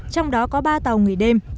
trong đó có ba tàu nghỉ đêm